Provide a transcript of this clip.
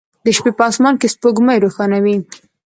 د شپې په اسمان کې سپوږمۍ روښانه وي